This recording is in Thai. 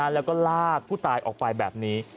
แล้วก็ลากผู้ตายออกไปแบบนี้